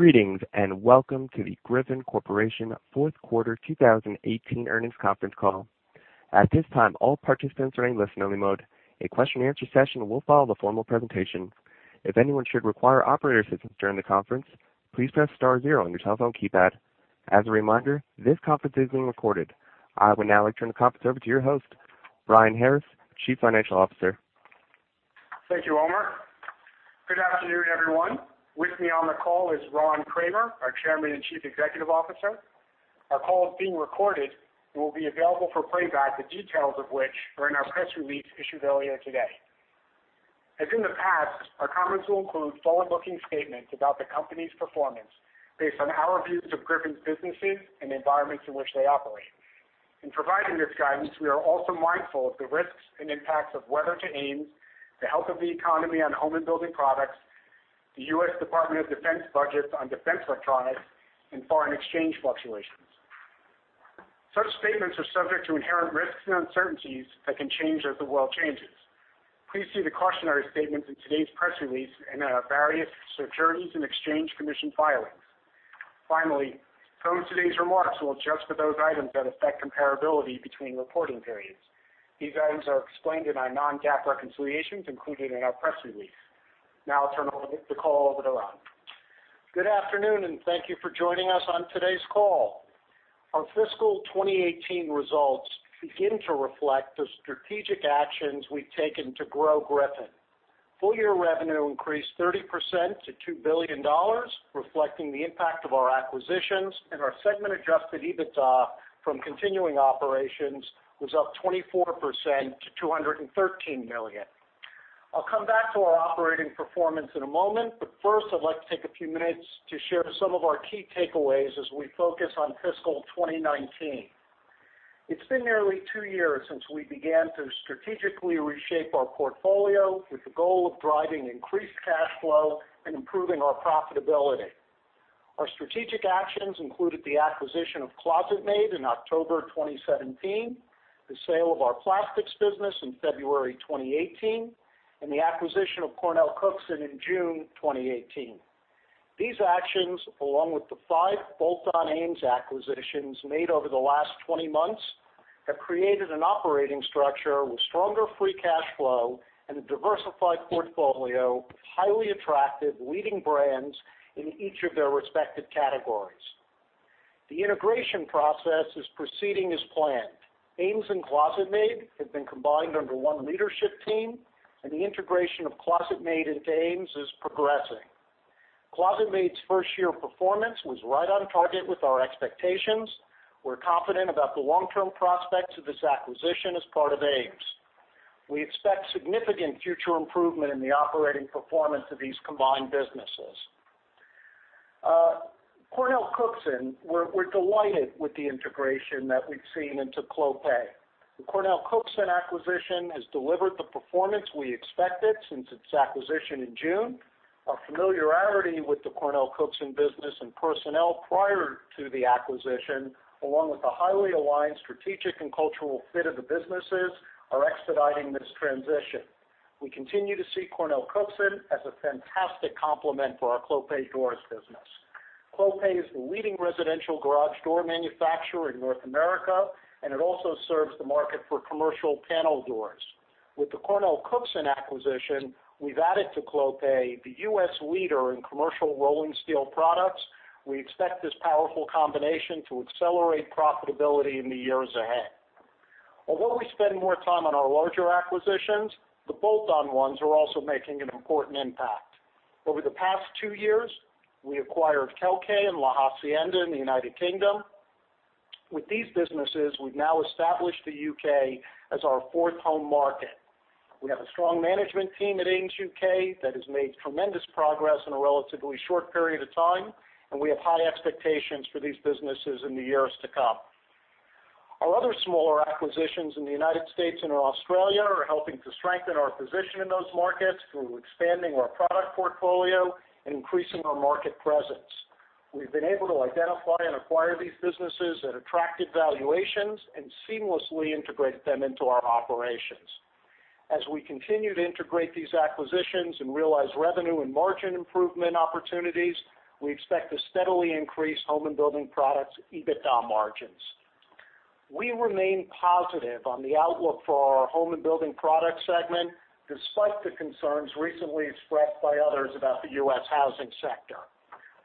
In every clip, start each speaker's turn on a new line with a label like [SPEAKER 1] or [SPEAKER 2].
[SPEAKER 1] Greetings, welcome to the Griffon Corporation fourth quarter 2018 earnings conference call. At this time, all participants are in listen-only mode. A question-and-answer session will follow the formal presentation. If anyone should require operator assistance during the conference, please press star zero on your telephone keypad. As a reminder, this conference is being recorded. I would now like to turn the conference over to your host, Brian Harris, Chief Financial Officer.
[SPEAKER 2] Thank you, Omar. Good afternoon, everyone. With me on the call is Ron Kramer, our Chairman and Chief Executive Officer. Our call is being recorded and will be available for playback, the details of which are in our press release issued earlier today. As in the past, our comments will include forward-looking statements about the company's performance based on our views of Griffon's businesses and the environments in which they operate. In providing this guidance, we are also mindful of the risks and impacts of weather to AMES, the health of the economy on home and building products, the U.S. Department of Defense budgets on Defense Electronics, and foreign exchange fluctuations. Such statements are subject to inherent risks and uncertainties that can change as the world changes. Please see the cautionary statements in today's press release and our various Securities and Exchange Commission filings. Finally, some of today's remarks will adjust for those items that affect comparability between reporting periods. These items are explained in our non-GAAP reconciliations included in our press release. Now I'll turn the call over to Ron.
[SPEAKER 3] Good afternoon, and thank you for joining us on today's call. Our fiscal 2018 results begin to reflect the strategic actions we've taken to grow Griffon. Full-year revenue increased 30% to $2 billion, reflecting the impact of our acquisitions, and our segment adjusted EBITDA from continuing operations was up 24% to $213 million. I'll come back to our operating performance in a moment, but first, I'd like to take a few minutes to share some of our key takeaways as we focus on fiscal 2019. It's been nearly two years since we began to strategically reshape our portfolio with the goal of driving increased cash flow and improving our profitability. Our strategic actions included the acquisition of ClosetMaid in October 2017, the sale of our plastics business in February 2018, and the acquisition of CornellCookson in June 2018. These actions, along with the five bolt-on AMES acquisitions made over the last 20 months, have created an operating structure with stronger free cash flow and a diversified portfolio of highly attractive leading brands in each of their respective categories. The integration process is proceeding as planned. AMES and ClosetMaid have been combined under one leadership team, and the integration of ClosetMaid into AMES is progressing. ClosetMaid's first-year performance was right on target with our expectations. We're confident about the long-term prospects of this acquisition as part of AMES. We expect significant future improvement in the operating performance of these combined businesses. CornellCookson, we're delighted with the integration that we've seen into Clopay. The CornellCookson acquisition has delivered the performance we expected since its acquisition in June. Our familiarity with the CornellCookson business and personnel prior to the acquisition, along with the highly aligned strategic and cultural fit of the businesses, are expediting this transition. We continue to see CornellCookson as a fantastic complement for our Clopay Doors business. Clopay is the leading residential garage door manufacturer in North America, and it also serves the market for commercial panel doors. With the CornellCookson acquisition, we've added to Clopay the U.S. leader in commercial rolling steel products. We expect this powerful combination to accelerate profitability in the years ahead. Although we spend more time on our larger acquisitions, the bolt-on ones are also making an important impact. Over the past two years, we acquired Kelkay and La Hacienda in the United Kingdom. With these businesses, we've now established the U.K. as our fourth home market. We have a strong management team at AMES U.K. that has made tremendous progress in a relatively short period of time, and we have high expectations for these businesses in the years to come. Our other smaller acquisitions in the United States and in Australia are helping to strengthen our position in those markets through expanding our product portfolio and increasing our market presence. We've been able to identify and acquire these businesses at attractive valuations and seamlessly integrate them into our operations. As we continue to integrate these acquisitions and realize revenue and margin improvement opportunities, we expect to steadily increase home and building products EBITDA margins. We remain positive on the outlook for our home and building products segment, despite the concerns recently expressed by others about the U.S. housing sector.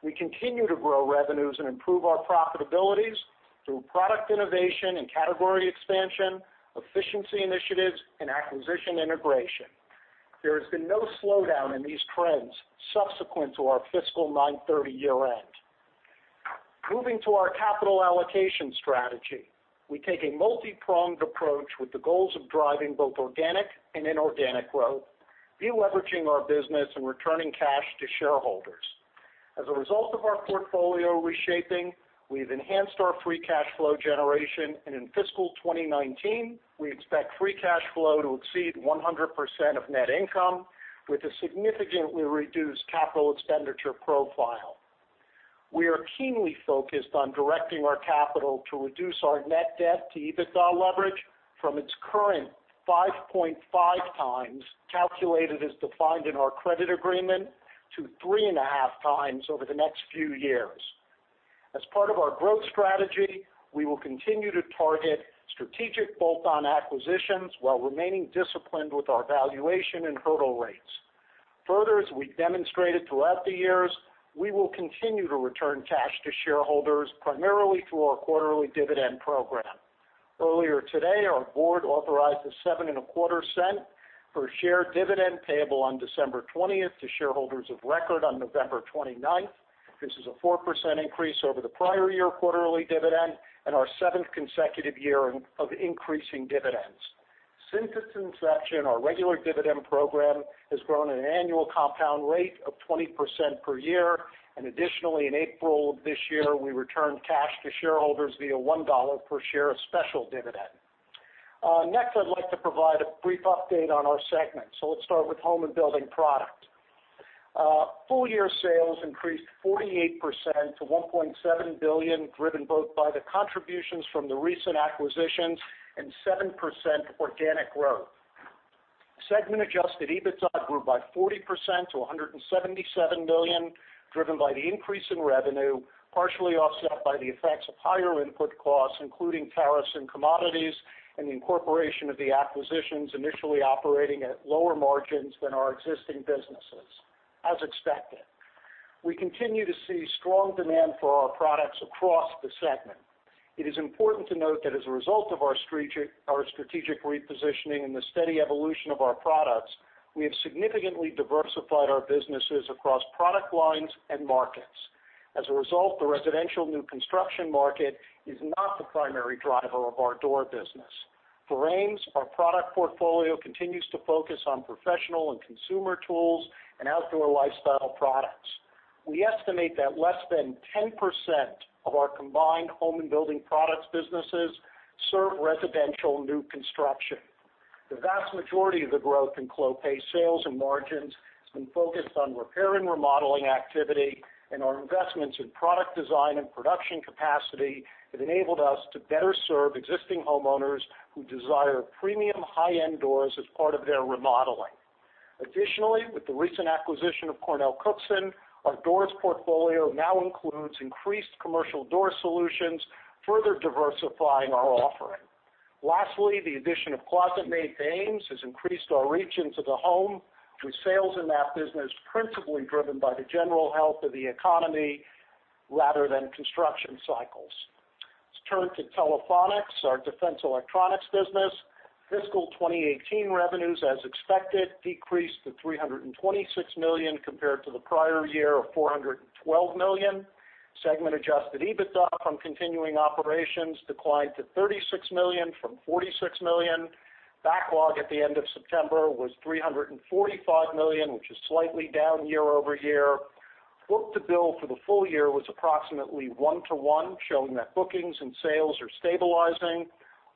[SPEAKER 3] We continue to grow revenues and improve our profitabilities through product innovation and category expansion, efficiency initiatives, and acquisition integration. There has been no slowdown in these trends subsequent to our fiscal 9/30 year-end. Moving to our capital allocation strategy. We take a multi-pronged approach with the goals of driving both organic and inorganic growth, deleveraging our business, and returning cash to shareholders. As a result of our portfolio reshaping, we've enhanced our free cash flow generation, and in fiscal 2019, we expect free cash flow to exceed 100% of net income with a significantly reduced capital expenditure profile. We are keenly focused on directing our capital to reduce our net debt to EBITDA leverage from its current 5.5x, calculated as defined in our credit agreement, to three and a half times over the next few years. As part of our growth strategy, we will continue to target strategic bolt-on acquisitions while remaining disciplined with our valuation and hurdle rates. Further, as we demonstrated throughout the years, we will continue to return cash to shareholders, primarily through our quarterly dividend program. Earlier today, our board authorized a $0.0725 per share dividend payable on December 20th to shareholders of record on November 29th. This is a 4% increase over the prior year quarterly dividend and our seventh consecutive year of increasing dividends. Since its inception, our regular dividend program has grown at an annual compound rate of 20% per year, and additionally, in April of this year, we returned cash to shareholders via $1 per share of special dividend. Next, I'd like to provide a brief update on our segments. Let's start with Home and Building Products. Full-year sales increased 48% to $1.7 billion, driven both by the contributions from the recent acquisitions and 7% organic growth. Segment adjusted EBITDA grew by 40% to $177 million, driven by the increase in revenue, partially offset by the effects of higher input costs, including tariffs and commodities, and the incorporation of the acquisitions initially operating at lower margins than our existing businesses, as expected. We continue to see strong demand for our products across the segment. It is important to note that as a result of our strategic repositioning and the steady evolution of our products, we have significantly diversified our businesses across product lines and markets. As a result, the residential new construction market is not the primary driver of our door business. For AMES, our product portfolio continues to focus on professional and consumer tools and outdoor lifestyle products. We estimate that less than 10% of our combined Home and Building Products businesses serve residential new construction. The vast majority of the growth in Clopay sales and margins has been focused on repair and remodeling activity, and our investments in product design and production capacity have enabled us to better serve existing homeowners who desire premium high-end doors as part of their remodeling. Additionally, with the recent acquisition of CornellCookson, our doors portfolio now includes increased commercial door solutions, further diversifying our offering. Lastly, the addition of ClosetMaid to AMES has increased our reach into the home, with sales in that business principally driven by the general health of the economy rather than construction cycles. Let's turn to Telephonics, our Defense Electronics business. Fiscal 2018 revenues, as expected, decreased to $326 million compared to the prior year of $412 million. Segment adjusted EBITDA from continuing operations declined to $36 million from $46 million. Backlog at the end of September was $345 million, which is slightly down year-over-year. Book-to-bill for the full-year was approximately 1:1, showing that bookings and sales are stabilizing.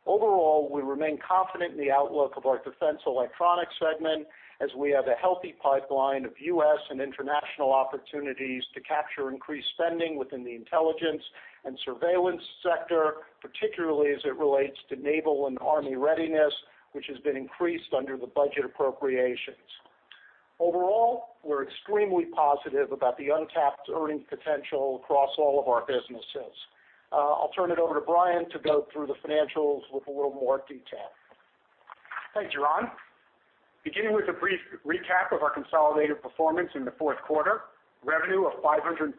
[SPEAKER 3] Overall, we remain confident in the outlook of our Defense Electronics segment as we have a healthy pipeline of U.S. and international opportunities to capture increased spending within the intelligence and surveillance sector, particularly as it relates to naval and army readiness, which has been increased under the budget appropriations. Overall, we're extremely positive about the untapped earning potential across all of our businesses. I'll turn it over to Brian to go through the financials with a little more detail.
[SPEAKER 2] Thanks, Ron. Beginning with a brief recap of our consolidated performance in the fourth quarter. Revenue of $546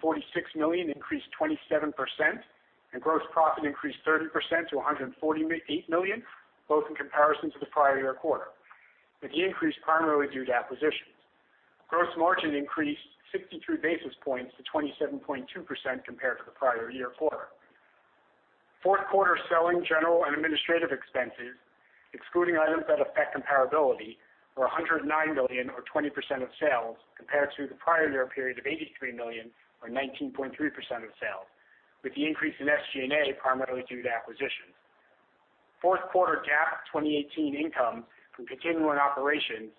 [SPEAKER 2] million increased 27%. Gross profit increased 30% to $148 million, both in comparison to the prior year quarter, with the increase primarily due to acquisitions. Gross margin increased 63 basis points to 27.2% compared to the prior year quarter. Fourth quarter selling, general and administrative expenses, excluding items that affect comparability, were $109 million or 20% of sales, compared to the prior year period of $83 million or 19.3% of sales, with the increase in SG&A primarily due to acquisitions. Fourth quarter GAAP 2018 income from continuing operations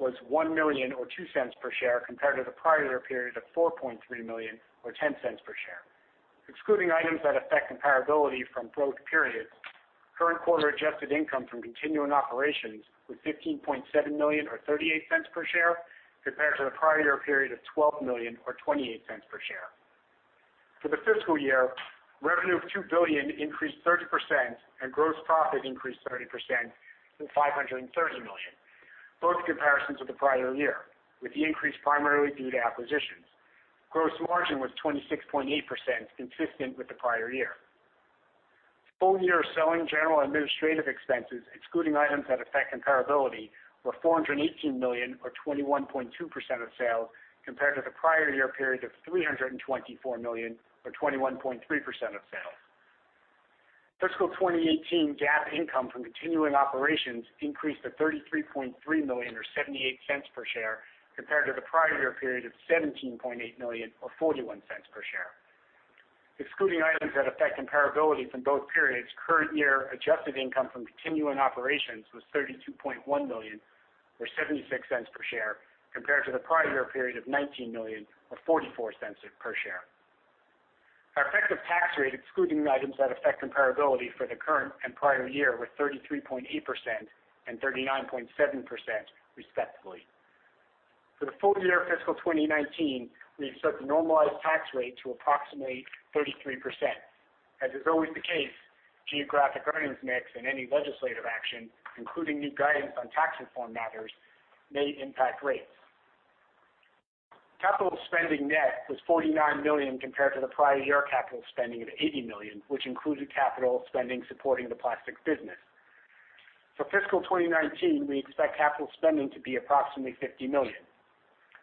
[SPEAKER 2] was $1 million or $0.02 per share compared to the prior year period of $4.3 million or $0.10 per share. Excluding items that affect comparability from both periods, current quarter adjusted income from continuing operations was $15.7 million or $0.38 per share compared to the prior year period of $12 million or $0.28 per share. For the fiscal year, revenue of $2 billion increased 30%. Gross profit increased 30% to $530 million, both comparisons with the prior year, with the increase primarily due to acquisitions. Gross margin was 26.8%, consistent with the prior year. Full-year selling, general, and administrative expenses, excluding items that affect comparability, were $418 million or 21.2% of sales, compared to the prior year period of $324 million or 21.3% of sales. Fiscal 2018 GAAP income from continuing operations increased to $33.3 million or $0.78 per share compared to the prior year period of $17.8 million or $0.41 per share. Excluding items that affect comparability from both periods, current year adjusted income from continuing operations was $32.1 million, or $0.76 per share, compared to the prior year period of $19 million, or $0.44 per share. Our effective tax rate, excluding items that affect comparability for the current and prior year, were 33.8% and 39.7%, respectively. For the full-year fiscal 2019, we expect the normalized tax rate to approximately 33%. As is always the case, geographic earnings mix and any legislative action, including new guidance on tax reform matters, may impact rates. Capital spending net was $49 million compared to the prior year capital spending of $80 million, which included capital spending supporting the plastics business. For fiscal 2019, we expect capital spending to be approximately $50 million.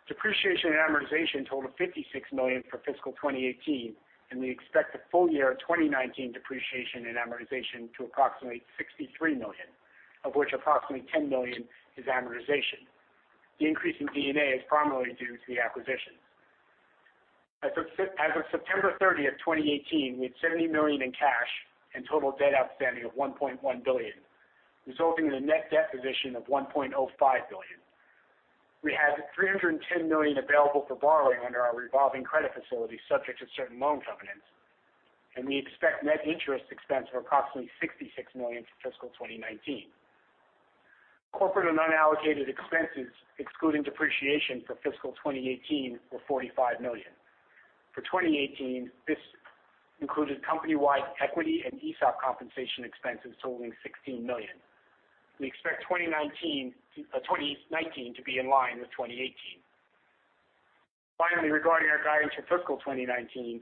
[SPEAKER 2] Depreciation and amortization totaled $56 million for fiscal 2018. We expect the full-year 2019 depreciation and amortization to approximately $63 million, of which approximately $10 million is amortization. The increase in D&A is primarily due to the acquisitions. As of September 30th, 2018, we had $70 million in cash and total debt outstanding of $1.1 billion, resulting in a net debt position of $1.05 billion. We had $310 million available for borrowing under our revolving credit facility subject to certain loan covenants. We expect net interest expense of approximately $66 million for fiscal 2019. Corporate and unallocated expenses, excluding depreciation for fiscal 2018, were $45 million. For 2018, this included company-wide equity and ESOP compensation expenses totaling $16 million. We expect 2019 to be in line with 2018. Finally, regarding our guidance for fiscal 2019,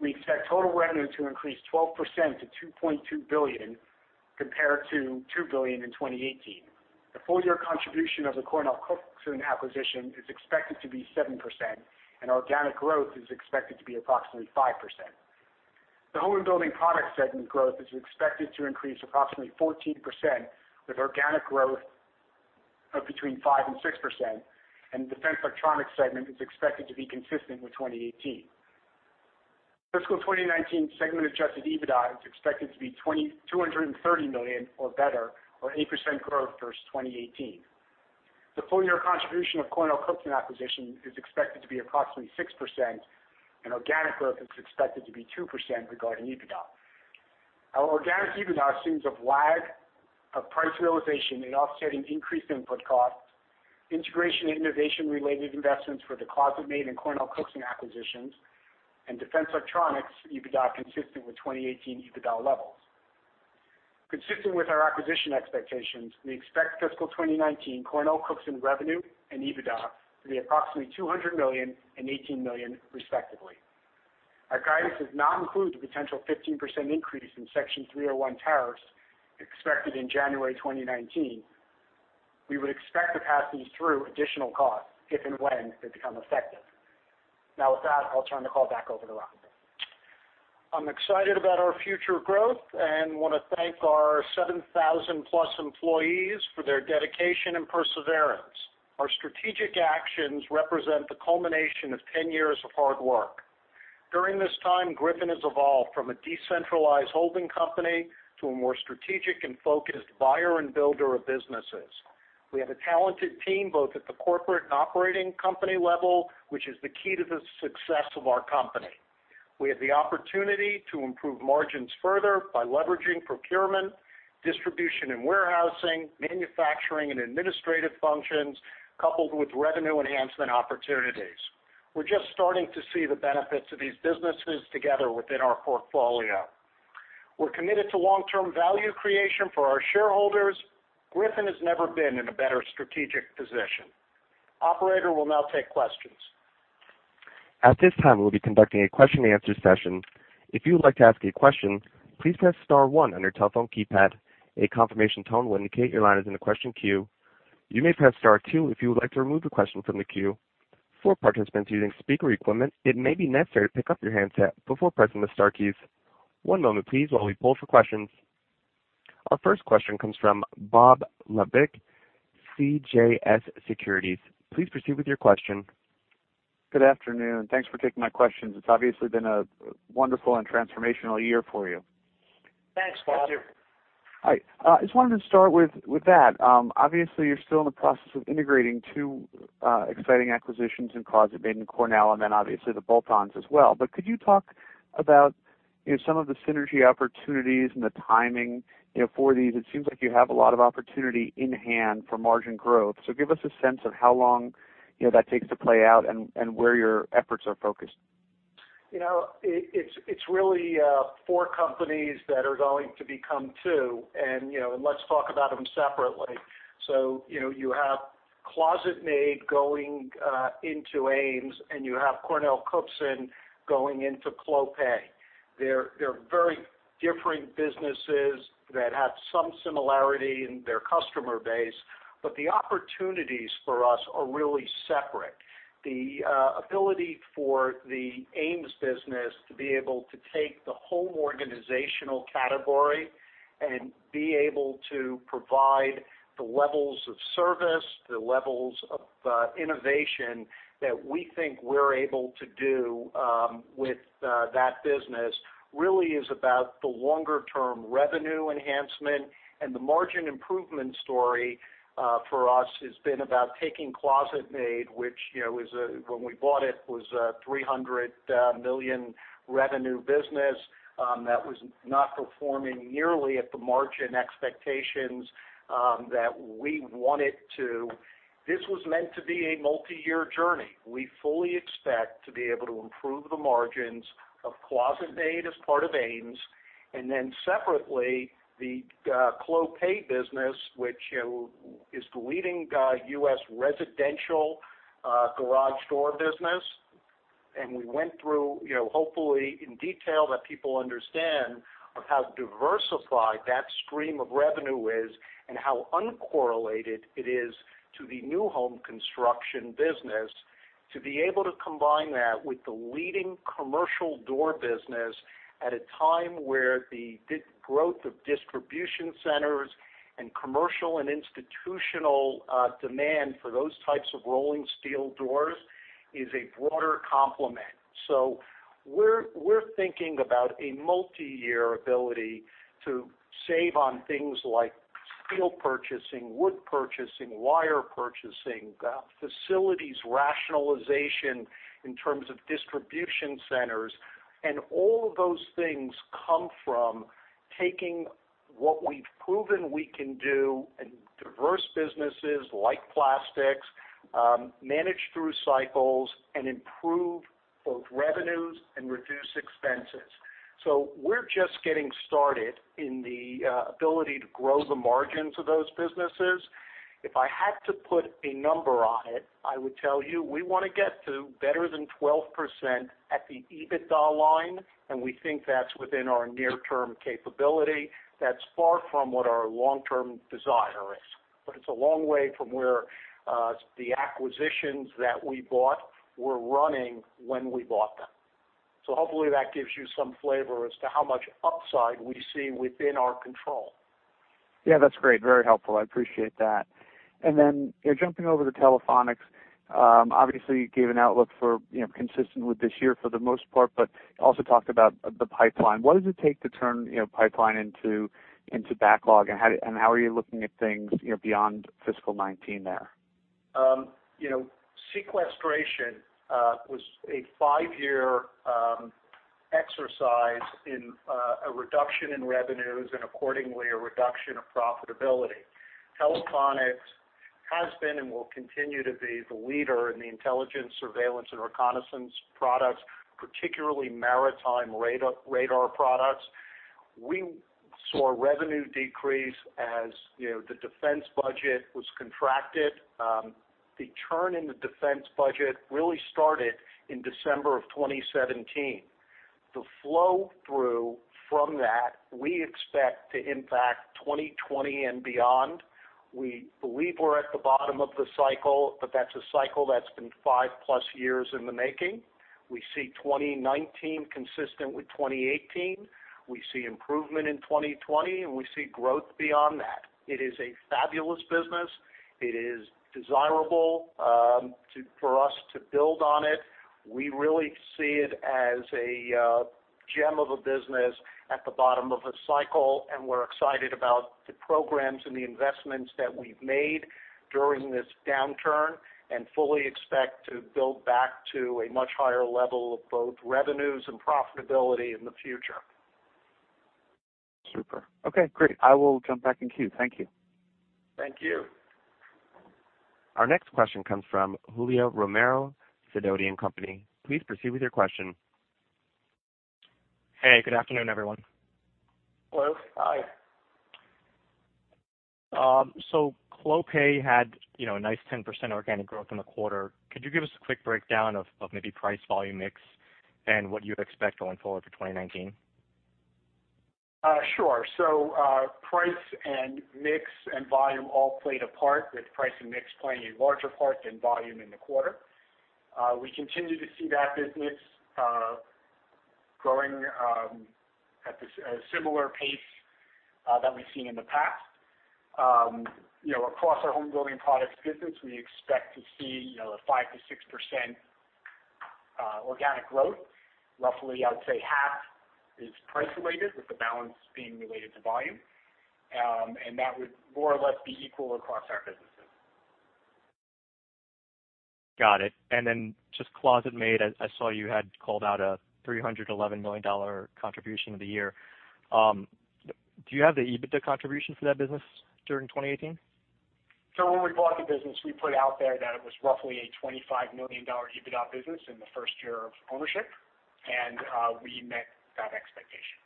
[SPEAKER 2] we expect total revenue to increase 12% to $2.2 billion compared to $2 billion in 2018. The full-year contribution of the CornellCookson acquisition is expected to be 7%, and organic growth is expected to be approximately 5%. The Home and Building Products segment growth is expected to increase approximately 14%, with organic growth of between 5% and 6%, and Defense Electronics segment is expected to be consistent with 2018. Fiscal 2019 segment adjusted EBITDA is expected to be $230 million or better or 8% growth versus 2018. The full-year contribution of CornellCookson acquisition is expected to be approximately 6%, and organic growth is expected to be 2% regarding EBITDA. Our organic EBITDA assumes a lag of price realization in offsetting increased input costs, integration and innovation-related investments for the ClosetMaid and CornellCookson acquisitions, and Defense Electronics EBITDA consistent with 2018 EBITDA levels. Consistent with our acquisition expectations, we expect fiscal 2019 CornellCookson revenue and EBITDA to be approximately $200 million and $18 million, respectively. Our guidance does not include the potential 15% increase in Section 301 tariffs expected in January 2019. We would expect to pass these through additional costs if and when they become effective. With that, I'll turn the call back over to Ron.
[SPEAKER 3] I'm excited about our future growth and want to thank our 7,000+ employees for their dedication and perseverance. Our strategic actions represent the culmination of 10 years of hard work. During this time, Griffon has evolved from a decentralized holding company to a more strategic and focused buyer and builder of businesses. We have a talented team both at the corporate and operating company level, which is the key to the success of our company. We have the opportunity to improve margins further by leveraging procurement, distribution and warehousing, manufacturing, and administrative functions, coupled with revenue enhancement opportunities. We're just starting to see the benefits of these businesses together within our portfolio. We're committed to long-term value creation for our shareholders. Griffon has never been in a better strategic position. Operator, we'll now take questions.
[SPEAKER 1] At this time, we'll be conducting a question and answer session. If you would like to ask a question, please press star one on your telephone keypad. A confirmation tone will indicate your line is in the question queue. You may press star two if you would like to remove a question from the queue. For participants using speaker equipment, it may be necessary to pick up your handset before pressing the star keys. One moment please while we poll for questions. Our first question comes from Bob Labick, CJS Securities. Please proceed with your question.
[SPEAKER 4] Good afternoon. Thanks for taking my questions. It's obviously been a wonderful and transformational year for you.
[SPEAKER 2] Thanks, Bob.
[SPEAKER 3] Thank you.
[SPEAKER 4] Hi. I just wanted to start with that. Obviously, you're still in the process of integrating two exciting acquisitions in ClosetMaid and Cornell, and then obviously the bolt-ons as well. Could you talk about some of the synergy opportunities and the timing for these? It seems like you have a lot of opportunity in hand for margin growth. Give us a sense of how long that takes to play out and where your efforts are focused.
[SPEAKER 3] It's really four companies that are going to become two. Let's talk about them separately. You have ClosetMaid going into AMES, and you have CornellCookson going into Clopay. They're very different businesses that have some similarity in their customer base, but the opportunities for us are really separate. The ability for the AMES business to be able to take the home organizational category and be able to provide the levels of service, the levels of innovation that we think we're able to do with that business really is about the longer-term revenue enhancement. The margin improvement story for us has been about taking ClosetMaid, which when we bought it, was a $300 million revenue business that was not performing nearly at the margin expectations that we want it to. This was meant to be a multi-year journey. We fully expect to be able to improve the margins of ClosetMaid as part of AMES. Separately, the Clopay business, which is the leading U.S. residential garage door business. We went through, hopefully in detail that people understand, of how diversified that stream of revenue is and how uncorrelated it is to the new home construction business. To be able to combine that with the leading commercial door business at a time where the growth of distribution centers and commercial and institutional demand for those types of rolling steel doors is a broader complement. We're thinking about a multi-year ability to save on things like steel purchasing, wood purchasing, wire purchasing, facilities rationalization in terms of distribution centers. All of those things come from taking what we've proven we can do in diverse businesses like plastics, manage through cycles, and improve both revenues and reduce expenses. We're just getting started in the ability to grow the margins of those businesses. If I had to put a number on it, I would tell you, we want to get to better than 12% at the EBITDA line, and we think that's within our near-term capability. That's far from what our long-term desire is, but it's a long way from where the acquisitions that we bought were running when we bought them. Hopefully that gives you some flavor as to how much upside we see within our control.
[SPEAKER 4] Yeah, that's great. Very helpful. I appreciate that. Then jumping over to Telephonics, obviously you gave an outlook for consistent with this year for the most part, but also talked about the pipeline. What does it take to turn pipeline into backlog, and how are you looking at things beyond fiscal 2019 there?
[SPEAKER 3] Sequestration was a five-year exercise in a reduction in revenues and accordingly a reduction of profitability. Telephonics has been and will continue to be the leader in the intelligence, surveillance, and reconnaissance products, particularly maritime radar products. We saw revenue decrease as the defense budget was contracted. The flow-through from that we expect to impact 2020 and beyond. We believe we're at the bottom of the cycle, that's a cycle that's been 5+ years in the making. We see 2019 consistent with 2018. We see improvement in 2020, we see growth beyond that. It is a fabulous business. It is desirable for us to build on it. We really see it as a gem of a business at the bottom of a cycle, we're excited about the programs and the investments that we've made during this downturn and fully expect to build back to a much higher level of both revenues and profitability in the future.
[SPEAKER 4] Super. Okay, great. I will jump back in queue. Thank you.
[SPEAKER 3] Thank you.
[SPEAKER 1] Our next question comes from Julio Romero, Sidoti & Company. Please proceed with your question.
[SPEAKER 5] Hey, good afternoon, everyone.
[SPEAKER 2] Hello.
[SPEAKER 3] Hi.
[SPEAKER 5] Clopay had a nice 10% organic growth in the quarter. Could you give us a quick breakdown of maybe price volume mix and what you expect going forward for 2019?
[SPEAKER 2] Sure. Price and mix and volume all played a part, with price and mix playing a larger part than volume in the quarter. We continue to see that business growing at a similar pace that we've seen in the past. Across our home building products business, we expect to see a 5%-6% organic growth. Roughly, I would say half is price related, with the balance being related to volume. That would more or less be equal across our businesses.
[SPEAKER 5] Got it. Just ClosetMaid, I saw you had called out a $311 million contribution of the year. Do you have the EBITDA contribution for that business during 2018?
[SPEAKER 2] When we bought the business, we put out there that it was roughly a $25 million EBITDA business in the first year of ownership, and we met that expectation.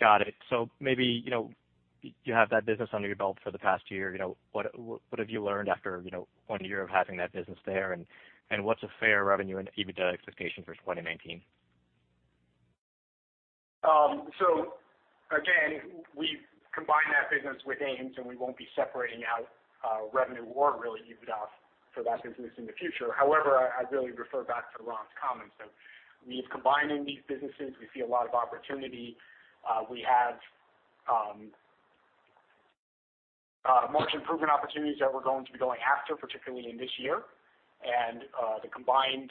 [SPEAKER 5] Got it. Maybe, you have that business under your belt for the past year, what have you learned after one year of having that business there? What's a fair revenue and EBITDA expectation for 2019?
[SPEAKER 2] Again, we've combined that business with AMES, and we won't be separating out revenue or really EBITDA for that business in the future. However, I really refer back to Ron's comments. We've combined these businesses. We see a lot of opportunity. We have margin improvement opportunities that we're going to be going after, particularly in this year. The combined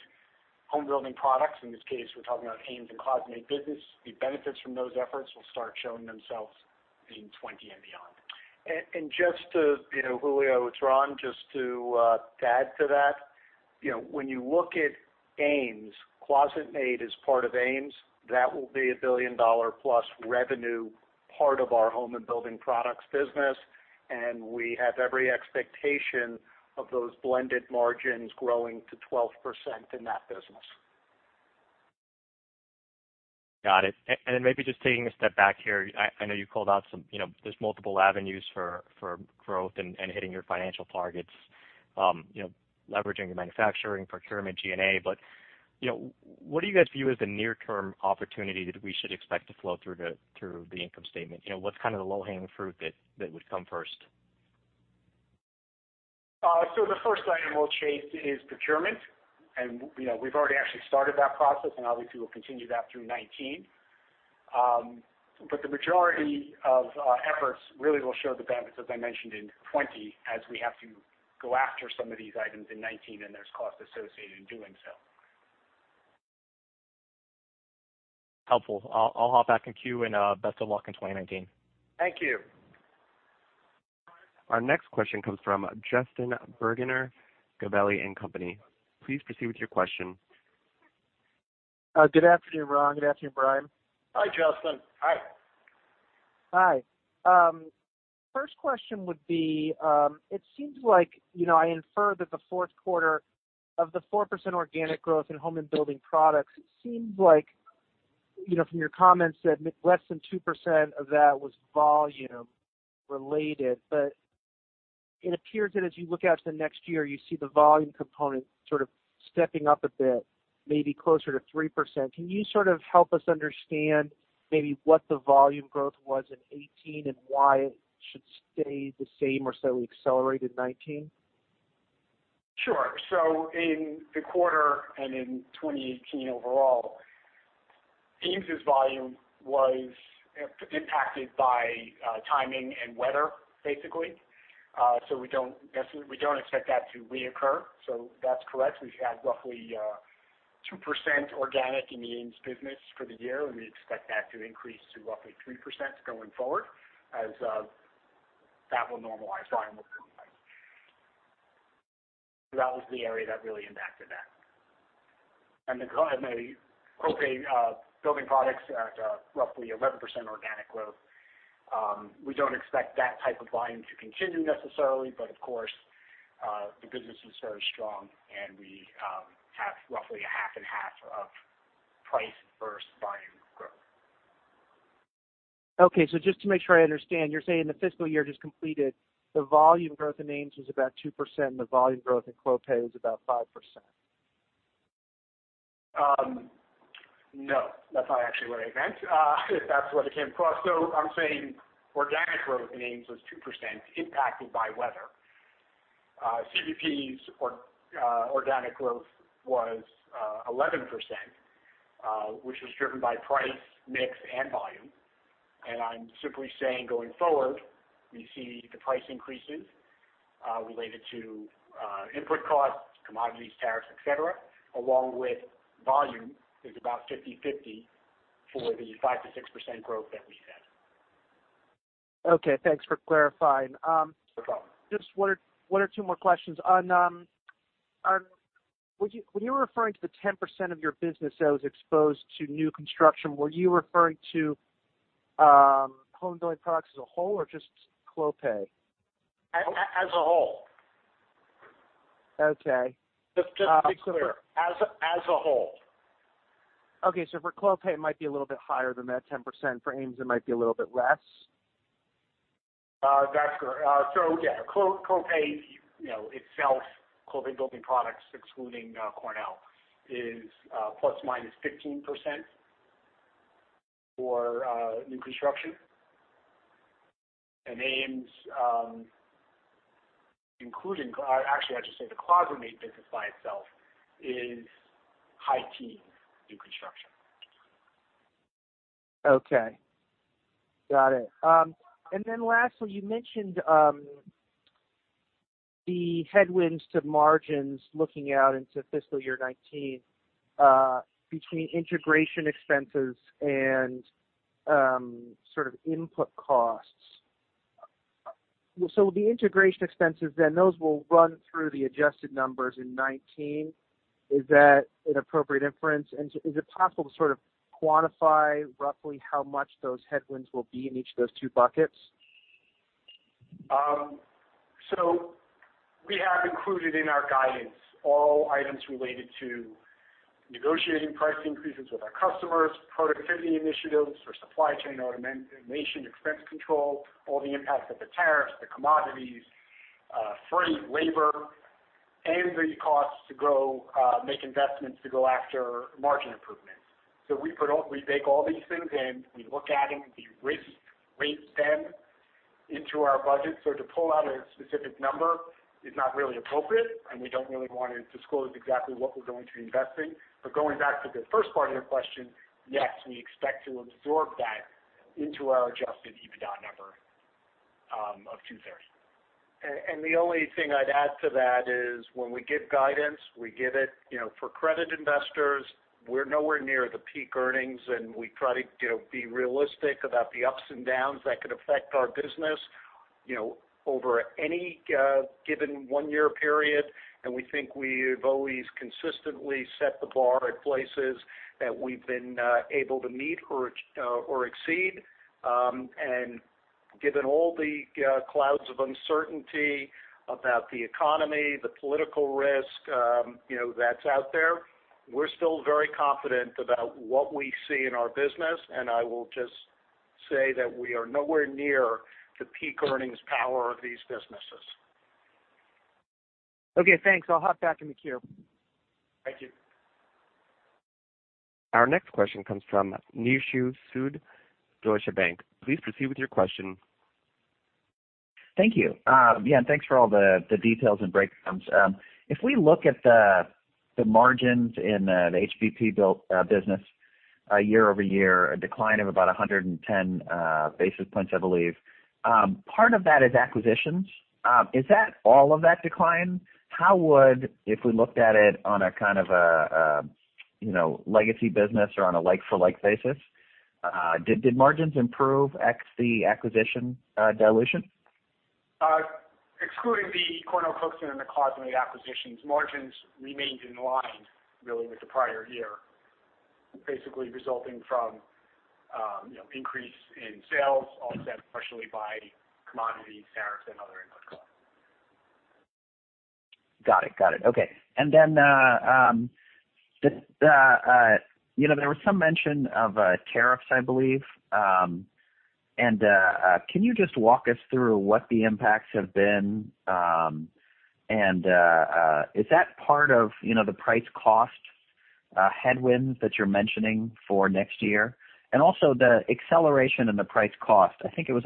[SPEAKER 2] home building products, in this case, we're talking about AMES and ClosetMaid business, the benefits from those efforts will start showing themselves in 2020 and beyond.
[SPEAKER 3] Julio, it's Ron, just to add to that, when you look at AMES, ClosetMaid is part of AMES. That will be a billion-dollar-plus revenue part of our home and building products business. We have every expectation of those blended margins growing to 12% in that business.
[SPEAKER 5] Got it. Then maybe just taking a step back here, I know you called out there's multiple avenues for growth and hitting your financial targets, leveraging the manufacturing, procurement, G&A. What do you guys view as the near-term opportunity that we should expect to flow through the income statement? What's the low-hanging fruit that would come first?
[SPEAKER 2] The first item we'll chase is procurement, we've already actually started that process, obviously we'll continue that through 2019. The majority of efforts really will show the benefits, as I mentioned, in 2020, as we have to go after some of these items in 2019, there's cost associated in doing so.
[SPEAKER 5] Helpful. I'll hop back in queue and best of luck in 2019.
[SPEAKER 3] Thank you.
[SPEAKER 1] Our next question comes from Justin Bergner, Gabelli & Company. Please proceed with your question.
[SPEAKER 6] Good afternoon, Ron. Good afternoon, Brian.
[SPEAKER 3] Hi, Justin.
[SPEAKER 2] Hi.
[SPEAKER 6] Hi. First question would be, it seems like I infer that the fourth quarter of the 4% organic growth in home and building products seems like from your comments that less than 2% of that was volume related. It appears that as you look out to next year, you see the volume component sort of stepping up a bit, maybe closer to 3%. Can you sort of help us understand maybe what the volume growth was in 2018 and why it should stay the same or slightly accelerate in 2019?
[SPEAKER 2] Sure. In the quarter and in 2018 overall, AMES' volume was impacted by timing and weather, basically. We don't expect that to reoccur. That's correct. We've had roughly 2% organic in the AMES business for the year, and we expect that to increase to roughly 3% going forward as that will normalize. That was the area that really impacted that. The Clopay Building Products at roughly 11% organic growth. We don't expect that type of volume to continue necessarily, of course, the business is very strong, and we have roughly a half and half of price versus volume growth.
[SPEAKER 6] Okay, just to make sure I understand, you're saying the fiscal year just completed, the volume growth in AMES was about 2%, and the volume growth in Clopay was about 5%.
[SPEAKER 2] No, that's not actually what I meant. If that's what it came across. I'm saying organic growth in AMES was 2% impacted by weather. CPP's organic growth was 11%, which was driven by price, mix, and volume. I'm simply saying, going forward, we see the price increases related to input costs, commodities, tariffs, et cetera, along with volume is about 50/50 for the 5%-6% growth that we've had.
[SPEAKER 6] Okay, thanks for clarifying.
[SPEAKER 2] No problem.
[SPEAKER 6] Just one or two more questions. When you were referring to the 10% of your business that was exposed to new construction, were you referring to home building products as a whole or just Clopay?
[SPEAKER 2] As a whole.
[SPEAKER 6] Okay.
[SPEAKER 2] Just to be clear, as a whole.
[SPEAKER 6] Okay. For Clopay, it might be a little bit higher than that 10%. For AMES, it might be a little bit less?
[SPEAKER 3] That's correct. Yeah, Clopay itself, Clopay Building Products, excluding Cornell, is ±15% for new construction. AMES, actually, I should say the ClosetMaid business by itself is high teens new construction.
[SPEAKER 6] Okay. Got it. Lastly, you mentioned the headwinds to margins looking out into fiscal year 2019 between integration expenses and sort of input costs. The integration expenses then, those will run through the adjusted numbers in 2019. Is that an appropriate inference? Is it possible to sort of quantify roughly how much those headwinds will be in each of those two buckets?
[SPEAKER 2] We have included in our guidance all items related to negotiating price increases with our customers, productivity initiatives for supply chain automation, expense control, all the impacts of the tariffs, the commodities, freight, labor, and the costs to make investments to go after margin improvement. We bake all these things in. We look at them. We risk-weight them into our budget. To pull out a specific number is not really appropriate, and we don't really want to disclose exactly what we're going to be investing. Going back to the first part of your question, yes, we expect to absorb that into our adjusted EBITDA number of $230 million.
[SPEAKER 3] The only thing I'd add to that is when we give guidance, we give it for credit investors. We're nowhere near the peak earnings, and we try to be realistic about the ups and downs that could affect our business over any given one-year period. We think we've always consistently set the bar at places that we've been able to meet or exceed. Given all the clouds of uncertainty about the economy, the political risk that's out there, we're still very confident about what we see in our business. I will just say that we are nowhere near the peak earnings power of these businesses.
[SPEAKER 6] Okay, thanks. I'll hop back in the queue.
[SPEAKER 3] Thank you.
[SPEAKER 1] Our next question comes from Nishu Sood, Deutsche Bank. Please proceed with your question.
[SPEAKER 7] Thank you. Yeah, thanks for all the details and breakdowns. If we look at the margins in the HBP built business year-over-year, a decline of about 110 basis points, I believe. Part of that is acquisitions. Is that all of that decline? How would, if we looked at it on a kind of a legacy business or on a like for like basis, did margins improve ex the acquisition dilution?
[SPEAKER 2] Excluding the CornellCookson and the ClosetMaid acquisitions, margins remained in line really with the prior year, basically resulting from increase in sales, offset partially by commodity tariffs and other input costs.
[SPEAKER 7] Got it. Okay. There was some mention of tariffs, I believe. Can you just walk us through what the impacts have been? Is that part of the price cost headwinds that you're mentioning for next year? The acceleration in the price cost. I think it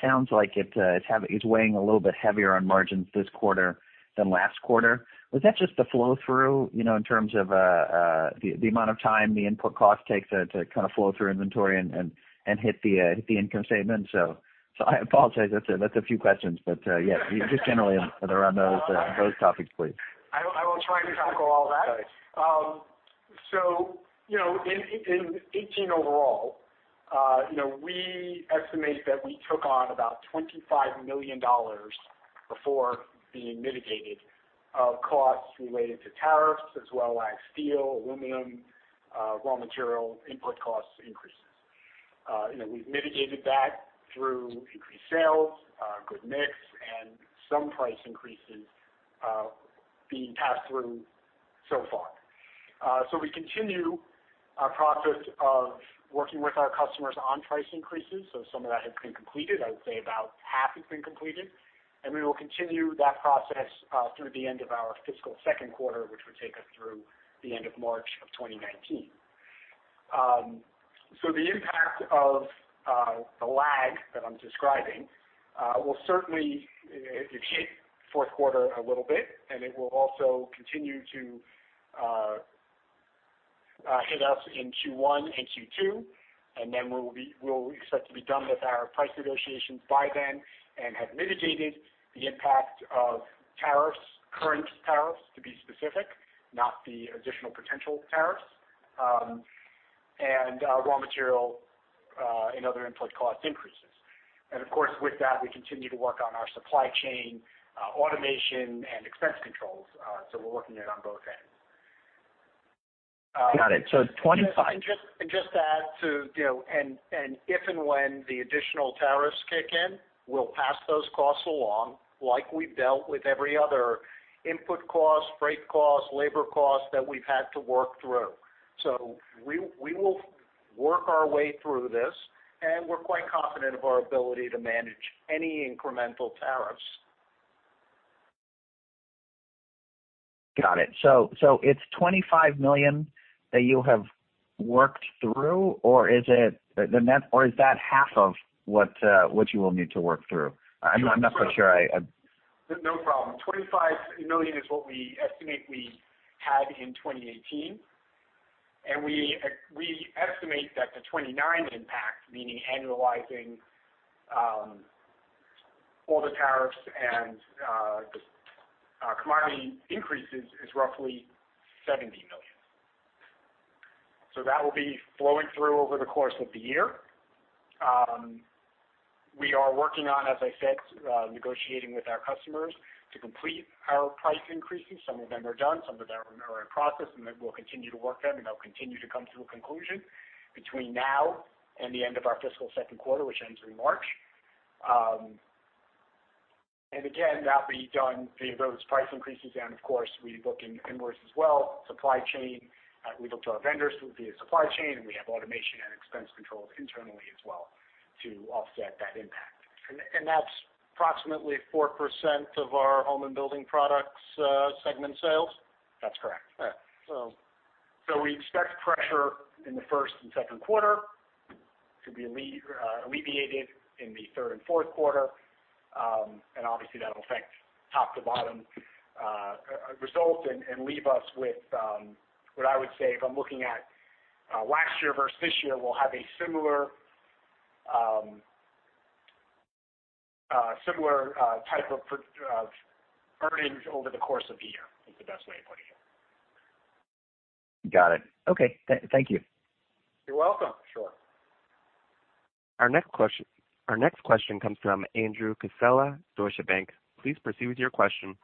[SPEAKER 7] sounds like it's weighing a little bit heavier on margins this quarter than last quarter. Was that just the flow through, in terms of the amount of time the input cost takes to kind of flow through inventory and hit the income statement? I apologize, that's a few questions. Just generally around those topics, please.
[SPEAKER 2] I will try and tackle all that.
[SPEAKER 7] Got it.
[SPEAKER 2] In 2018 overall, we estimate that we took on about $25 million before being mitigated of costs related to tariffs as well as steel, aluminum, raw material input costs increases. We've mitigated that through increased sales, good mix, and some price increases being passed through so far. We continue our process of working with our customers on price increases. Some of that has been completed. I would say about half has been completed. We will continue that process through the end of our fiscal second quarter, which would take us through the end of March of 2019. The impact of the lag that I'm describing will certainly shape fourth quarter a little bit, it will also continue to hit us in Q1 and Q2, we'll expect to be done with our price negotiations by then and have mitigated the impact of tariffs, current tariffs to be specific, not the additional potential tariffs, and raw material and other input cost increases. Of course, with that, we continue to work on our supply chain automation and expense controls. We're working it on both ends.
[SPEAKER 7] Got it. $25 million.
[SPEAKER 3] Just to add too, if and when the additional tariffs kick in, we'll pass those costs along like we've dealt with every other input cost, freight cost, labor cost that we've had to work through. We will work our way through this, we're quite confident of our ability to manage any incremental tariffs.
[SPEAKER 7] Got it. It's $25 million that you have worked through, or is that half of what you will need to work through? I'm not so sure.
[SPEAKER 2] No problem. $25 million is what we estimate we had in 2018. We estimate that the 2019 impact, meaning annualizing all the tariffs and the commodity increases, is roughly $70 million. That will be flowing through over the course of the year. We are working on, as I said, negotiating with our customers to complete our price increases. Some of them are done, some of them are in process, and we'll continue to work them, and they'll continue to come to a conclusion between now and the end of our fiscal second quarter, which ends in March. Again, that'll be done via those price increases. And of course, we book in inwards as well, supply chain. We look to our vendors via supply chain, and we have automation and expense controls internally as well to offset that impact.
[SPEAKER 3] That's approximately 4% of our home and building products segment sales?
[SPEAKER 2] That's correct.
[SPEAKER 3] All right.
[SPEAKER 2] We expect pressure in the first and second quarter to be alleviated in the third and fourth quarter. Obviously that'll affect top to bottom results and leave us with what I would say if I'm looking at last year versus this year, we'll have a similar type of earnings over the course of the year, is the best way of putting it.
[SPEAKER 7] Got it. Okay. Thank you.
[SPEAKER 2] You're welcome.
[SPEAKER 3] Sure.
[SPEAKER 1] Our next question comes from Andrew Casella, Deutsche Bank. Please proceed with your question.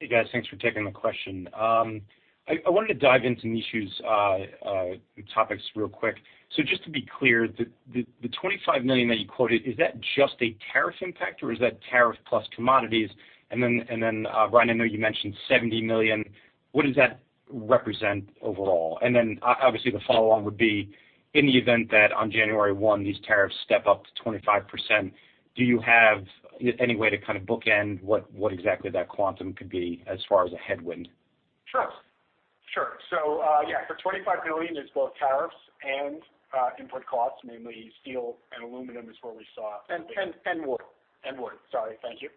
[SPEAKER 8] Hey, guys. Thanks for taking the question. I wanted to dive into some issues, topics real quick. Just to be clear, the $25 million that you quoted, is that just a tariff impact, or is that tariff plus commodities? Brian, I know you mentioned $70 million. What does that represent overall? Obviously the follow-on would be in the event that on January 1 these tariffs step up to 25%, do you have any way to kind of bookend what exactly that quantum could be as far as a headwind?
[SPEAKER 2] Sure. Yeah, for $25 million, it's both tariffs and input costs, namely steel and aluminum is where we saw-
[SPEAKER 3] And wood.
[SPEAKER 2] And wood. Sorry. Thank you.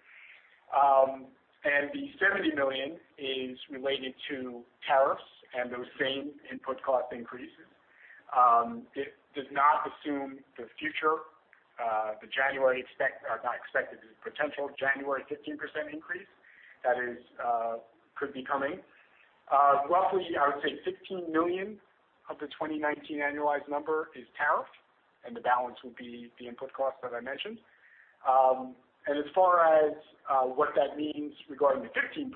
[SPEAKER 2] The $70 million is related to tariffs and those same input cost increases. It does not assume the future, the January Not expected. The potential January 15% increase that could be coming. Roughly, I would say $16 million of the 2019 annualized number is tariff, and the balance would be the input cost that I mentioned. As far as what that means regarding the 15%,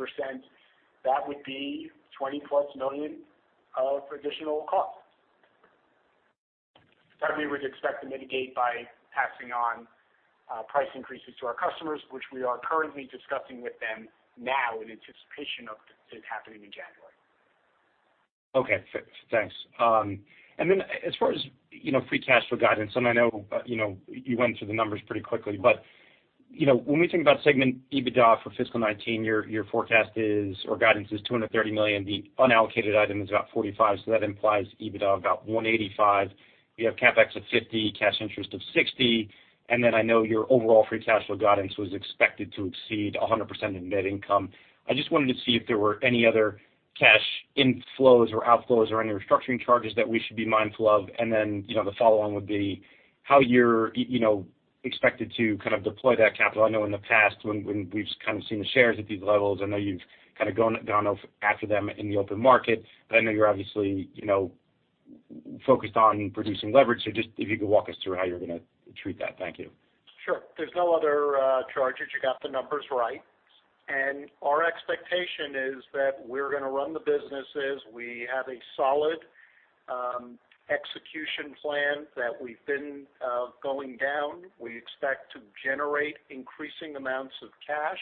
[SPEAKER 2] that would be $20 million-plus of additional cost that we would expect to mitigate by passing on price increases to our customers, which we are currently discussing with them now in anticipation of this happening in January.
[SPEAKER 8] Okay. Thanks. As far as free cash flow guidance, I know you went through the numbers pretty quickly, when we think about segment EBITDA for fiscal 2019, your forecast is, or guidance is $230 million. The unallocated item is about $45 million, so that implies EBITDA of about $185 million. We have CapEx of $50 million, cash interest of $60 million, I know your overall free cash flow guidance was expected to exceed 100% of net income. I just wanted to see if there were any other cash inflows or outflows or any restructuring charges that we should be mindful of. The follow-on would be how you're expected to kind of deploy that capital. I know in the past when we've kind of seen the shares at these levels, I know you've kind of gone off after them in the open market, I know you're obviously focused on reducing leverage. Just if you could walk us through how you're going to treat that. Thank you.
[SPEAKER 3] Sure. There's no other charges. You got the numbers right. Our expectation is that we're going to run the businesses. We have a solid execution plan that we've been going down. We expect to generate increasing amounts of cash.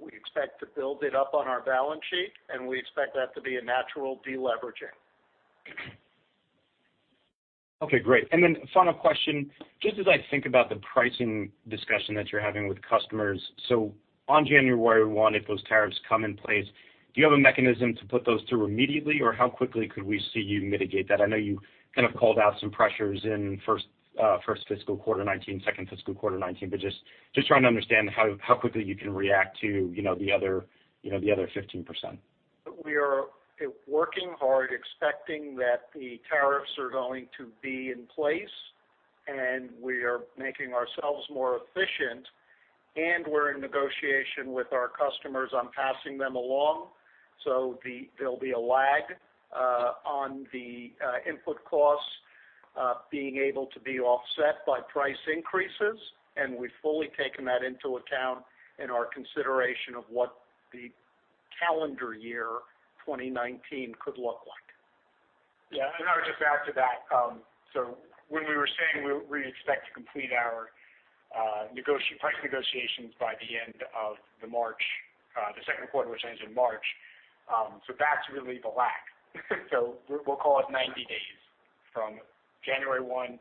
[SPEAKER 3] We expect to build it up on our balance sheet, we expect that to be a natural de-leveraging.
[SPEAKER 8] Okay, great. Final question, just as I think about the pricing discussion that you're having with customers, on January 1, if those tariffs come in place, do you have a mechanism to put those through immediately, or how quickly could we see you mitigate that? I know you kind of called out some pressures in first fiscal quarter 2019, second fiscal quarter 2019, just trying to understand how quickly you can react to the other 15%.
[SPEAKER 3] We are working hard, expecting that the tariffs are going to be in place. We are making ourselves more efficient. We're in negotiation with our customers on passing them along. There'll be a lag on the input costs being able to be offset by price increases. We've fully taken that into account in our consideration of what the calendar year 2019 could look like.
[SPEAKER 2] Yeah. I would just add to that. When we were saying we expect to complete our price negotiations by the end of the March, the second quarter, which ends in March. That's really the lag. We'll call it 90 days from January 1,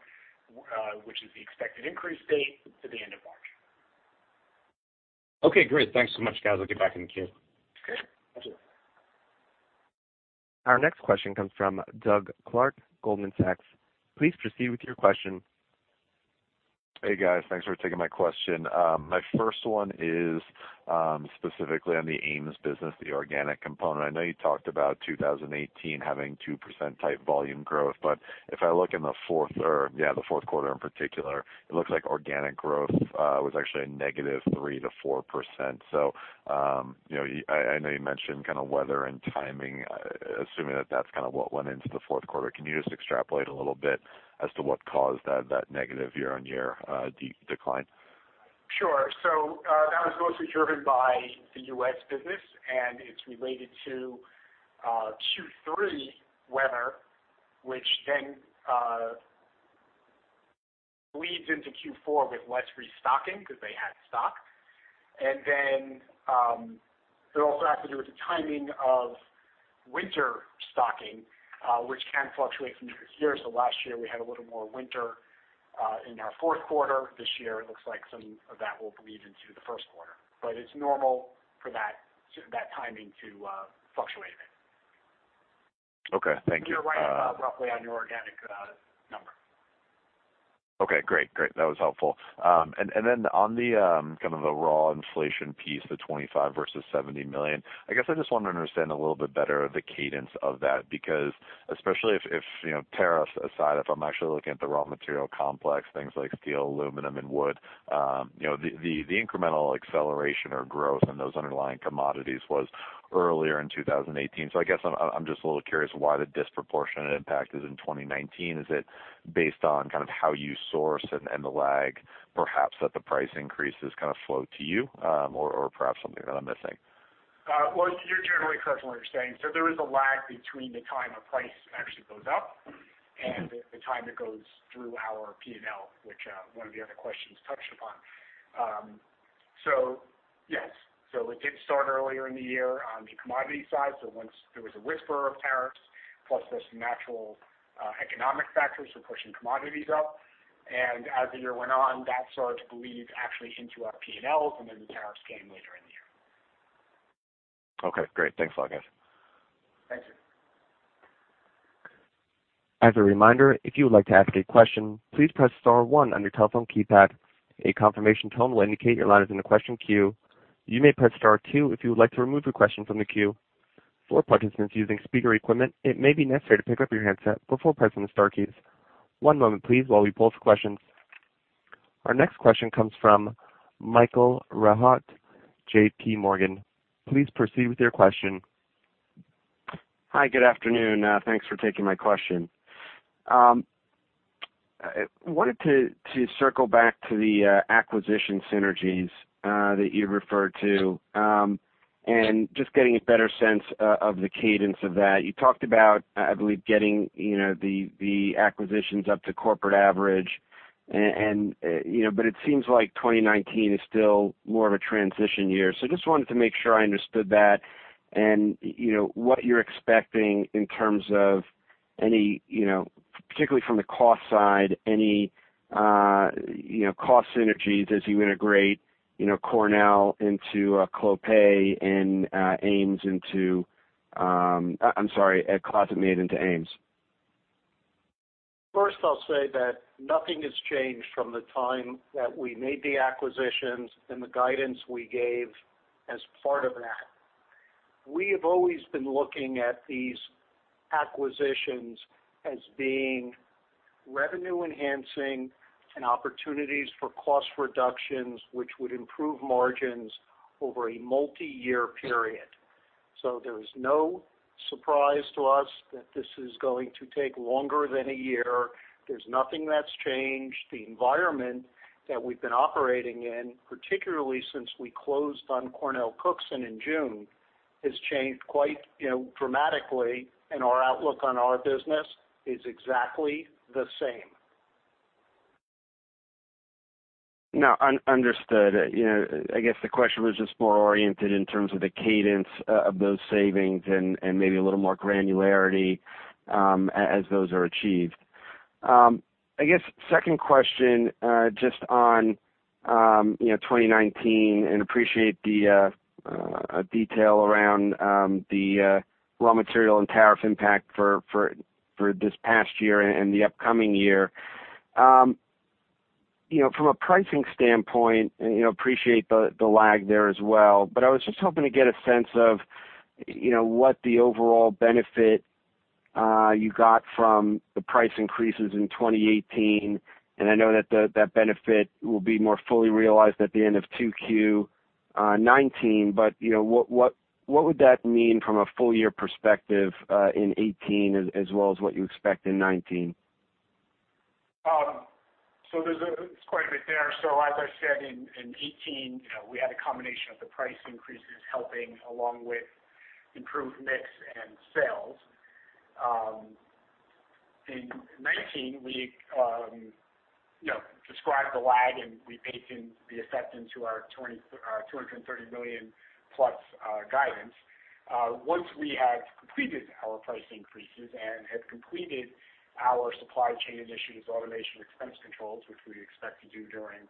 [SPEAKER 2] which is the expected increase date to the end of March.
[SPEAKER 8] Okay, great. Thanks so much, guys. I'll get back in the queue.
[SPEAKER 3] Okay.
[SPEAKER 2] Absolutely.
[SPEAKER 1] Our next question comes from Doug Clark, Goldman Sachs. Please proceed with your question.
[SPEAKER 9] Hey, guys. Thanks for taking my question. My first one is specifically on the AMES business, the organic component. I know you talked about 2018 having 2% type volume growth, if I look in the fourth quarter in particular, it looks like organic growth was actually a -3%-4%. I know you mentioned kind of weather and timing, assuming that that's kind of what went into the fourth quarter. Can you just extrapolate a little bit as to what caused that negative year-on-year decline?
[SPEAKER 2] Sure. That was mostly driven by the U.S. business, it's related to Q3 weather, which then bleeds into Q4 with less restocking because they had stock. It also has to do with the timing of winter stocking, which can fluctuate from year-to-year. Last year, we had a little more winter in our fourth quarter. This year it looks like some of that will bleed into the first quarter. It's normal for that timing to fluctuate a bit.
[SPEAKER 9] Okay. Thank you.
[SPEAKER 2] You're right roughly on your organic number.
[SPEAKER 9] Okay, great. That was helpful. On the raw inflation piece, the $25 million versus $70 million, I guess I just want to understand a little bit better the cadence of that, because especially if tariffs aside, if I'm actually looking at the raw material complex, things like steel, aluminum, and wood, the incremental acceleration or growth in those underlying commodities was earlier in 2018. I guess I'm just a little curious why the disproportionate impact is in 2019. Is it based on how you source and the lag, perhaps that the price increases flow to you, or perhaps something that I'm missing?
[SPEAKER 2] Well, you're generally correct in what you're saying. There is a lag between the time a price actually goes up and the time it goes through our P&L, which one of the other questions touched upon. Yes, it did start earlier in the year on the commodity side. Once there was a whisper of tariffs, plus there's some natural economic factors that are pushing commodities up, and as the year went on, that started to bleed actually into our P&L from when the tariffs came later in the year.
[SPEAKER 9] Okay, great. Thanks a lot, guys.
[SPEAKER 3] Thank you.
[SPEAKER 1] As a reminder, if you would like to ask a question, please press star one on your telephone keypad. A confirmation tone will indicate your line is in the question queue. You may press star two if you would like to remove your question from the queue. For participants using speaker equipment, it may be necessary to pick up your handset before pressing the star keys. One moment please while we pose the questions. Our next question comes from Michael Rehaut, JPMorgan. Please proceed with your question.
[SPEAKER 10] Hi, good afternoon. Thanks for taking my question. I wanted to circle back to the acquisition synergies that you referred to, and just getting a better sense of the cadence of that. You talked about, I believe, getting the acquisitions up to corporate average, but it seems like 2019 is still more of a transition year. Just wanted to make sure I understood that and what you're expecting in terms of any, particularly from the cost side, any cost synergies as you integrate Cornell into Clopay and AMES into I'm sorry, ClosetMaid into AMES.
[SPEAKER 3] First, I'll say that nothing has changed from the time that we made the acquisitions and the guidance we gave as part of that. We have always been looking at these acquisitions as being revenue enhancing and opportunities for cost reductions, which would improve margins over a multi-year period. There is no surprise to us that this is going to take longer than a year. There's nothing that's changed. The environment that we've been operating in, particularly since we closed on CornellCookson in June, has changed quite dramatically, and our outlook on our business is exactly the same.
[SPEAKER 10] No, understood. I guess the question was just more oriented in terms of the cadence of those savings and maybe a little more granularity as those are achieved. I guess, second question, just on 2019, appreciate the detail around the raw material and tariff impact for this past year and the upcoming year. From a pricing standpoint, appreciate the lag there as well, I was just hoping to get a sense of what the overall benefit you got from the price increases in 2018, and I know that benefit will be more fully realized at the end of 2Q 2019, but what would that mean from a full-year perspective, in 2018 as well as what you expect in 2019?
[SPEAKER 2] There's quite a bit there. As I said, in 2018, we had a combination of the price increases helping along with improved mix and sales. In 2019, we described the lag, and we baked in the effect into our $230 million-plus guidance. Once we have completed our price increases and have completed our supply chain initiatives, automation, expense controls, which we expect to do during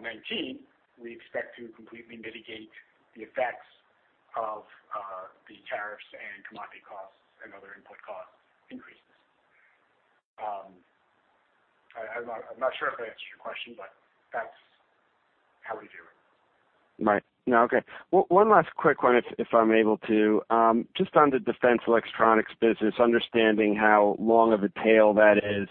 [SPEAKER 2] 2019, we expect to completely mitigate the effects of the tariffs and commodity costs and other input cost increases. I'm not sure if I answered your question, that's how we view it.
[SPEAKER 10] Right. No, okay. One last quick one, if I'm able to. Just on the Defense Electronics business, understanding how long of a tail that is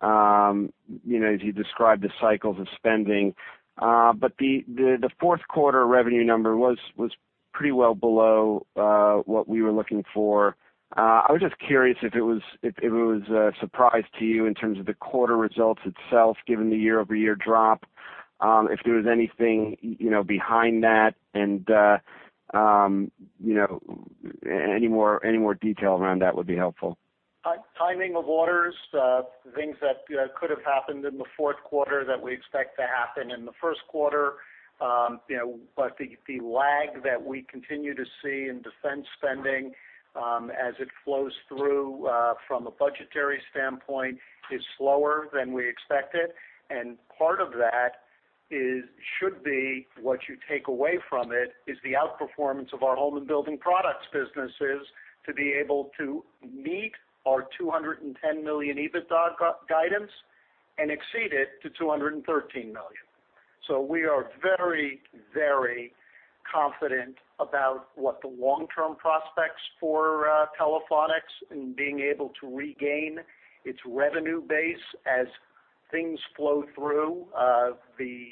[SPEAKER 10] as you describe the cycles of spending. The fourth quarter revenue number was pretty well below what we were looking for. I was just curious if it was a surprise to you in terms of the quarter results itself, given the year-over-year drop. If there was anything behind that and any more detail around that would be helpful.
[SPEAKER 3] Timing of orders, things that could have happened in the fourth quarter that we expect to happen in the first quarter. The lag that we continue to see in defense spending, as it flows through from a budgetary standpoint, is slower than we expected. Part of that should be what you take away from it, is the outperformance of our home and building products businesses to be able to meet our $210 million EBITDA guidance and exceed it to $213 million. We are very confident about what the long-term prospects for Telephonics in being able to regain its revenue base as things flow through the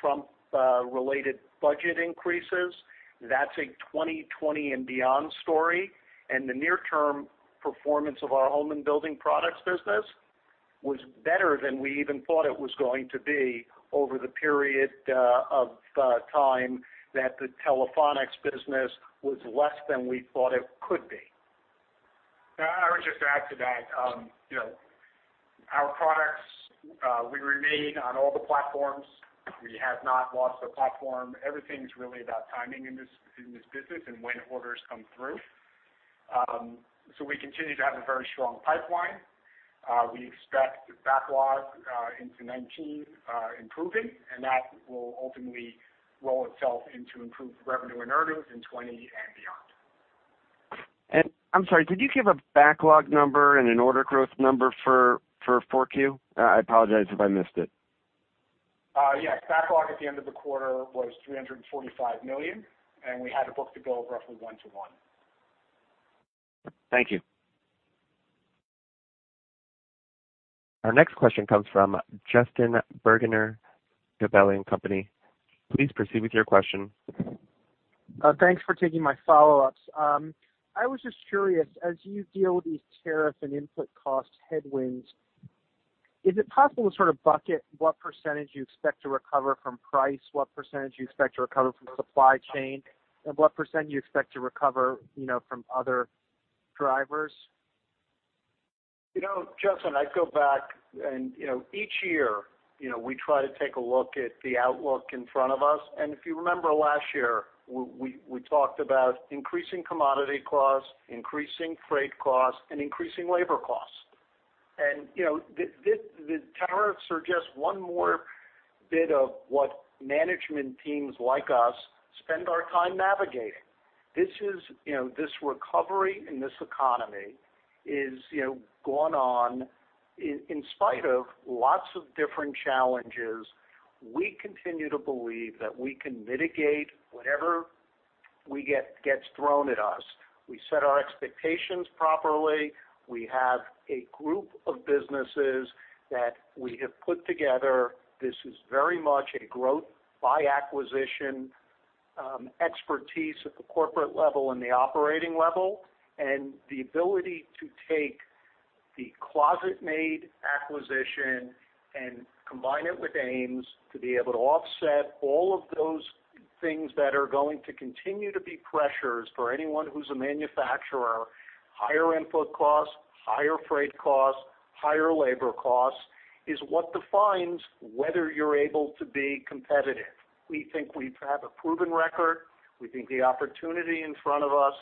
[SPEAKER 3] Trump-related budget increases. That's a 2020 and beyond story. The near-term performance of our home and building products business was better than we even thought it was going to be over the period of time that the Telephonics business was less than we thought it could be.
[SPEAKER 2] I would just add to that. Our products, we remain on all the platforms. We have not lost a platform. Everything's really about timing in this business when orders come through. We continue to have a very strong pipeline. We expect the backlog into 2019 improving. That will ultimately roll itself into improved revenue and earnings in 2020 and beyond.
[SPEAKER 10] I'm sorry, did you give a backlog number and an order growth number for 4Q? I apologize if I missed it.
[SPEAKER 2] Yeah. Backlog at the end of the quarter was $345 million. We had the book-to-bill roughly 1:1.
[SPEAKER 10] Thank you.
[SPEAKER 1] Our next question comes from Justin Bergner, Gabelli & Company. Please proceed with your question.
[SPEAKER 6] Thanks for taking my follow-ups. I was just curious, as you deal with these tariff and input cost headwinds, is it possible to sort of bucket what percentage you expect to recover from price, what percentage you expect to recover from supply chain, and what percentage you expect to recover from other drivers?
[SPEAKER 3] Justin, I'd go back and each year, we try to take a look at the outlook in front of us. If you remember last year, we talked about increasing commodity costs, increasing freight costs, and increasing labor costs. The tariffs are just one more bit of what management teams like us spend our time navigating. This recovery and this economy is going on in spite of lots of different challenges. We continue to believe that we can mitigate whatever gets thrown at us. We set our expectations properly. We have a group of businesses that we have put together. This is very much a growth-by-acquisition expertise at the corporate level and the operating level. The ability to take the ClosetMaid acquisition and combine it with AMES to be able to offset all of those things that are going to continue to be pressures for anyone who's a manufacturer. Higher input costs, higher freight costs, higher labor costs is what defines whether you're able to be competitive. We think we have a proven record. We think the opportunity in front of us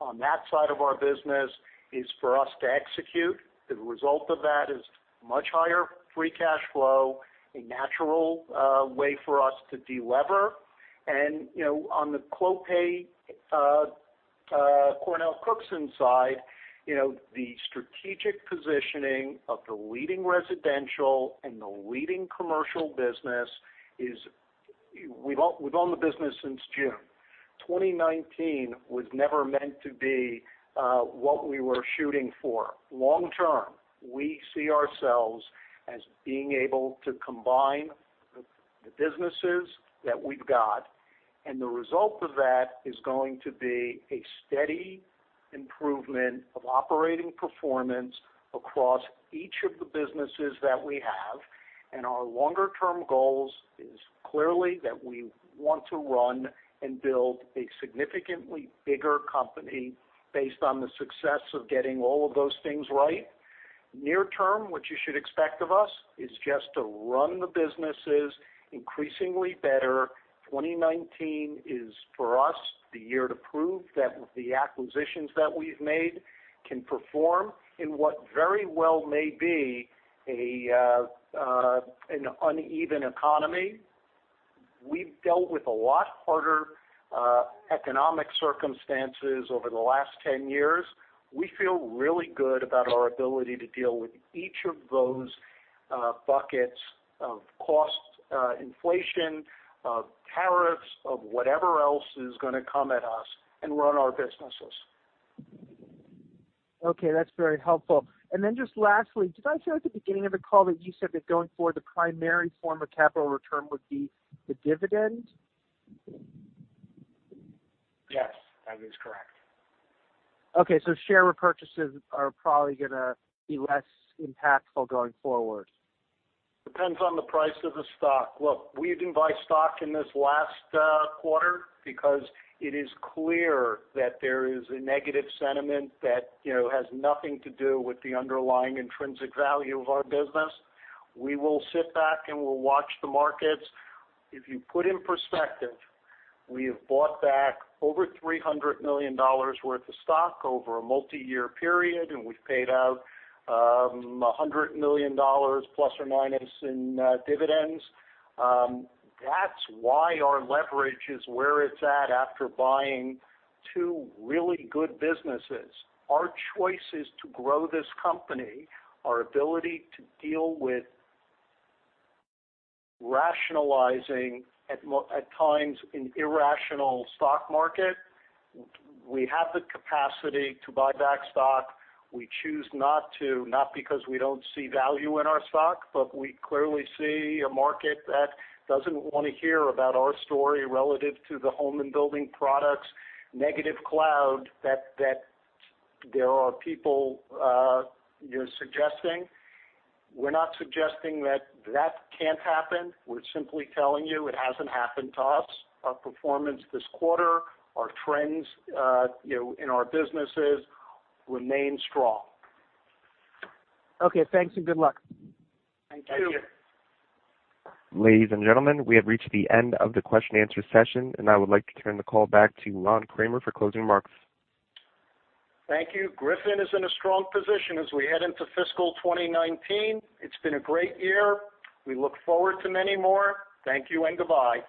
[SPEAKER 3] on that side of our business is for us to execute. The result of that is much higher free cash flow, a natural way for us to de-lever. On the Clopay, CornellCookson side, the strategic positioning of the leading residential and the leading commercial business is. We've owned the business since June. 2019 was never meant to be what we were shooting for. Long term, we see ourselves as being able to combine the businesses that we've got. The result of that is going to be a steady improvement of operating performance across each of the businesses that we have. Our longer-term goal is clearly that we want to run and build a significantly bigger company based on the success of getting all of those things right. Near term, what you should expect of us is just to run the businesses increasingly better. 2019 is for us the year to prove that the acquisitions that we've made can perform in what very well may be an uneven economy. We've dealt with a lot harder economic circumstances over the last 10 years. We feel really good about our ability to deal with each of those buckets of cost inflation, of tariffs, of whatever else is going to come at us, run our businesses.
[SPEAKER 6] Okay, that's very helpful. Just lastly, did I hear at the beginning of the call that you said that going forward, the primary form of capital return would be the dividend?
[SPEAKER 2] Yes, that is correct.
[SPEAKER 6] Okay, share repurchases are probably going to be less impactful going forward.
[SPEAKER 3] Depends on the price of the stock. Look, we didn't buy stock in this last quarter because it is clear that there is a negative sentiment that has nothing to do with the underlying intrinsic value of our business. We will sit back and we'll watch the markets. If you put in perspective, we have bought back over $300 million worth of stock over a multi-year period, and we've paid out $100 million plus or minus in dividends. That's why our leverage is where it's at after buying two really good businesses. Our choice is to grow this company, our ability to deal with rationalizing at times an irrational stock market. We have the capacity to buy back stock. We choose not to, not because we don't see value in our stock, but we clearly see a market that doesn't want to hear about our story relative to the home and building products negative cloud that there are people suggesting. We're not suggesting that can't happen. We're simply telling you it hasn't happened to us. Our performance this quarter, our trends in our businesses remain strong.
[SPEAKER 6] Okay, thanks and good luck.
[SPEAKER 3] Thank you.
[SPEAKER 1] Ladies and gentlemen, we have reached the end of the question answer session, and I would like to turn the call back to Ron Kramer for closing remarks.
[SPEAKER 3] Thank you. Griffon is in a strong position as we head into fiscal 2019. It's been a great year. We look forward to many more. Thank you and goodbye.